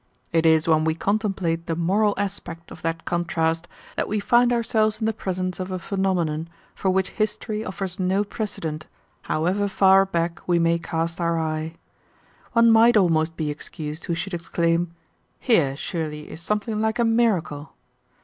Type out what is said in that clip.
It is when we contemplate the moral aspect of that contrast that we find ourselves in the presence of a phenomenon for which history offers no precedent, however far back we may cast our eye. One might almost be excused who should exclaim, 'Here, surely, is something like a miracle!'